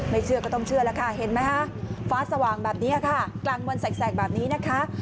เชื่อก็ต้องเชื่อแล้วค่ะเห็นไหมคะฟ้าสว่างแบบนี้ค่ะกลางวันแสกแบบนี้นะคะ